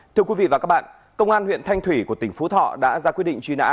thưa quý vị và các bạn công an huyện thanh thủy của tỉnh phú thọ đã ra quyết định truy nã